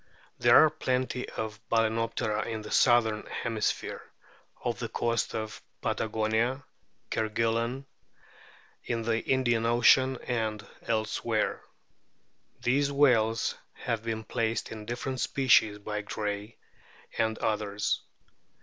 There are plenty of Bal&noptera in the southern hemisphere, off the coasts of Patagonia, Kerguelen, in the Indian ocean, and elsewhere. These whales have been placed in different species by Gray and others.